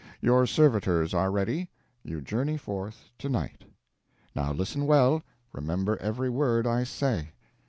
Your servitors are ready you journey forth to night. "Now listen well. Remember every word I say.